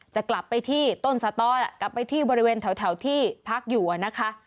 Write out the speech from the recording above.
จะกลับไปที่ต้นสตอกลับไปที่บริเวณแถวที่พักอยู่นะคะ